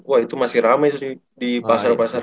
wah itu masih rame sih di pasar pasar